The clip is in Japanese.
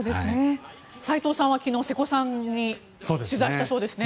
斎藤さんは昨日瀬古さんに取材したそうですね。